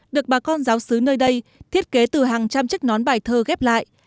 được bà con giáo sứ nơi đây thiết kế từ hàng trăm chiếc nón bài thơ ghép lại